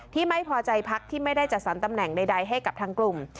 ที่ไม่พอใจพักที่ไม่ได้จัดสรรตำแหน่งใดให้กับทางกลุ่ม